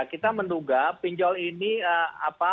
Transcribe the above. kita menduga pinjol ini apa